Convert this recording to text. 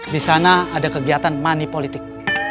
di sana ada kegiatan money politik